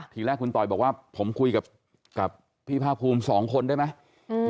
ทีแรกคุณต่อยบอกว่าผมคุยกับพี่ภาคภูมิสองคนได้ไหม